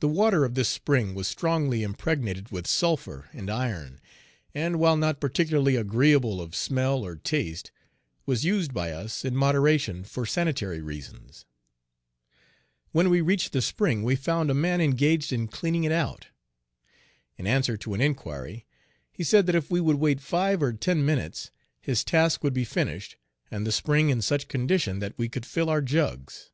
The water of this Page 68 spring was strongly impregnated with sulphur and iron, and, while not particularly agreeable of smell or taste, was used by us, in moderation, for sanitary reasons. When we reached the spring, we found a man engaged in cleaning it out. In answer to an inquiry he said that if we would wait five or ten minutes, his task would be finished and the spring in such condition that we could fill our jugs.